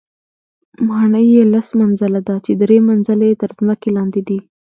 ماڼۍ یې لس منزله ده، چې درې منزله یې تر ځمکې لاندې دي.